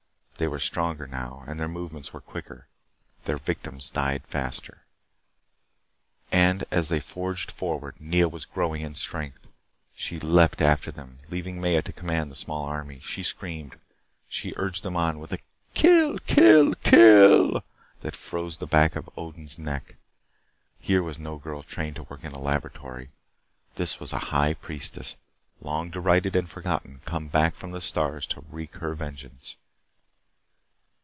They were stronger now and their movements were quicker. Their victims died faster. And as they forged forward, Nea was growing in strength. She leaped after them, leaving Maya to command the small army. She screamed. She urged them on with a "Kill, kill, kill!" that froze the back of Odin's neck. Here was no girl trained to work in a laboratory. This was a high priestess, long derided and forgotten, come back from the stars to wreak her vengeance.